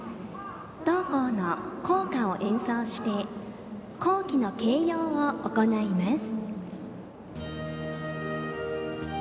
同校の校歌を演奏して校旗の掲揚を行います。